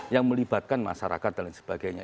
yang melibatkan masyarakat dan lain sebagainya